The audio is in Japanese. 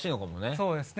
そうですね。